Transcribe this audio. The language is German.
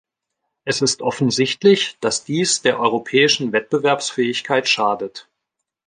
Es ist offensichtlich, dass dies der europäischen Wettbewerbsfähigkeit schadet.